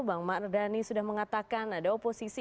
bang mardhani sudah mengatakan ada oposisi